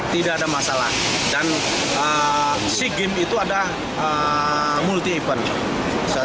tidak ada masalah dan sea games itu ada multi event